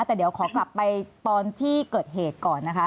แต่เดี๋ยวขอกลับไปตอนที่เกิดเหตุก่อนนะคะ